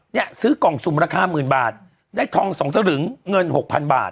เนี่ยซื้อกล่องสุ่มราคาหมื่นบาทได้ทอง๒สลึงเงินหกพันบาท